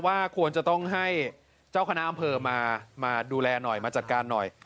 ว่าควรจะต้องให้เจ้าคณะอำเภอมาดูแลหน่อยมาจัดการหน่อย